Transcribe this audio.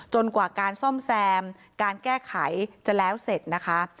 กว่าการซ่อมแซมการแก้ไขจะแล้วเสร็จนะคะ